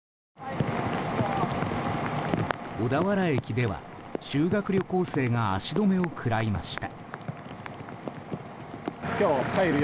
小田原駅では修学旅行生が足止めを食らいました。